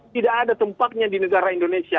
tidak ada tempatnya di negara indonesia